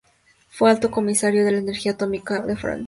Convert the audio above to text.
Fue Alto Comisario de la Energía Atómica de Francia.